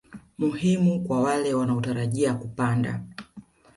muhimu kwa wale wanaotarajia kupanda